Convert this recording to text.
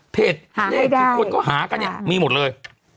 เพจเลขทุกคนก็หากันมีหมดเลย